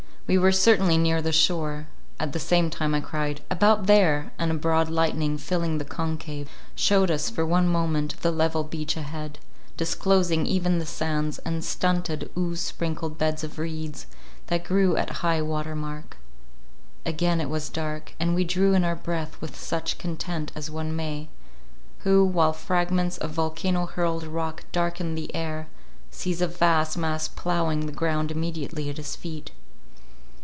We were certainly near the shore—at the same time I cried, "About there!" and a broad lightning filling the concave, shewed us for one moment the level beach a head, disclosing even the sands, and stunted, ooze sprinkled beds of reeds, that grew at high water mark. Again it was dark, and we drew in our breath with such content as one may, who, while fragments of volcano hurled rock darken the air, sees a vast mass ploughing the ground immediately at his feet.